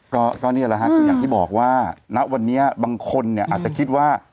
ก็นี่แหละฮะคืออย่างที่บอกว่าณวันนี้บางคนเนี่ยอาจจะคิดว่า